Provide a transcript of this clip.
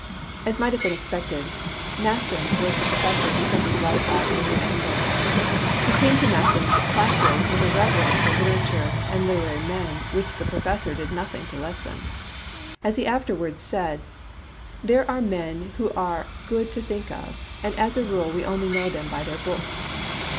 As might have been expected, Mas son was the professor who sent his life o£E at a new angle. He came to Masson's class with a reverence for literature and literary men which the professor did nothing to lessen. As he afterward said, " There are men who are good to think of, and as a rule we only know them by their books.